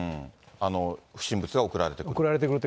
不審物が送られていると。